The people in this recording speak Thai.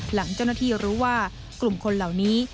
หลังเจ้าหน้าที่รู้ว่ากลุ่มคนเหล่านี้